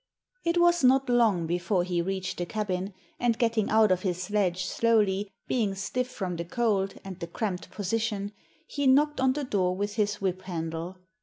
It was not long before he reached the cabin, and getting out of his sledge slowly, being stiff from the cold and the cramped position, he knocked on the door with his whip handle.